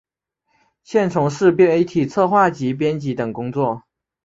现从事媒体策划及编辑等工作。